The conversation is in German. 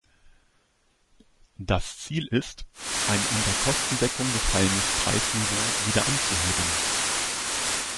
Das Ziel ist, ein unter Kostendeckung gefallenes Preisniveau wieder anzuheben.